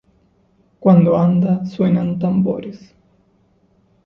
Cuando anda suenan tambores.